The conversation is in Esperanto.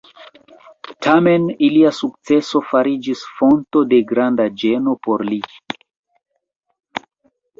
Tamen ilia sukceso fariĝis fonto de granda ĝeno por li.